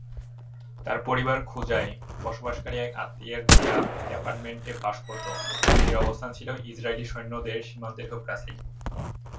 তার পরিবার খুজায় বসবাসকারী এক আত্মীয়ের দেয়া একটি অ্যাপার্টমেন্টে বাস করতো, যেটির অবস্থান ছিল ইসরায়েলি সৈন্যদের সীমান্তের খুব কাছেই।